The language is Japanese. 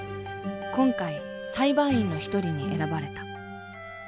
今回裁判員の一人に選ばれた。